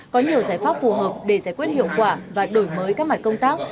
có nhiều giải pháp phù hợp để giải quyết hiệu quả và đổi mới các mặt công tác